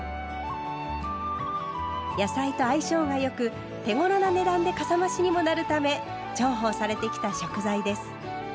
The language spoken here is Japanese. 野菜と相性が良く手ごろな値段でかさ増しにもなるため重宝されてきた食材です。